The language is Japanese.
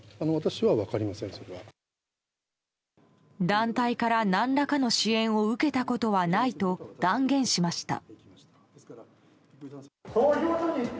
団体から何らかの支援を受けたことはないと断言しました。